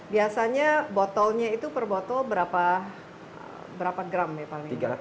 biasanya botolnya itu per botol berapa gram ya paling